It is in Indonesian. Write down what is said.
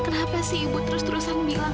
kenapa sih ibu terus terusan bilang